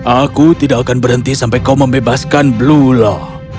aku tidak akan berhenti sampai kau membebaskan blula